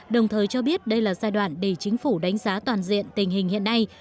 đồng thời cho biết đây là giai đoạn để chính phủ đánh giá toàn diện tình hình hiện nay